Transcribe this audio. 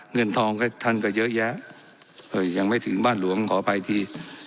เงินทองท่านก็เยอะแยะเห้ยยังไม่ถึงบ้านหลวงต้องขออภัยที่